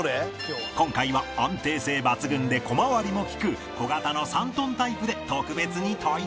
今回は安定性抜群で小回りも利く小型の３トンタイプで特別に体験